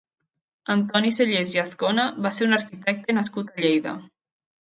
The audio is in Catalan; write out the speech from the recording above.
Antoni Cellers i Azcona va ser un arquitecte nascut a Lleida.